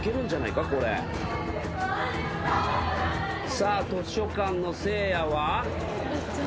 さあ図書館のせいやは。